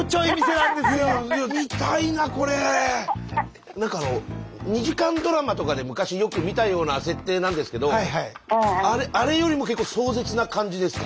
なんかあの２時間ドラマとかで昔よく見たような設定なんですけどあれよりも結構壮絶な感じですか？